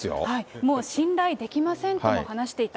もう信頼できませんとも話していた。